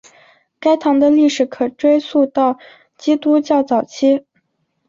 该堂的历史可追溯到基督教早期。